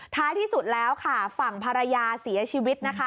ท้ายที่สุดแล้วฝั่งภรรยาเสียชีวิต